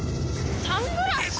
サングラス？